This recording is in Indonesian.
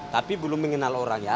tapi belum mengenal orang ya